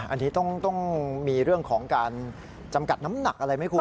อันนี้ต้องมีเรื่องของการจำกัดน้ำหนักอะไรไหมคุณ